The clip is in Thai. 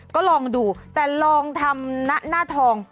ก็ลองดูแต่ลองทำหน้าทอง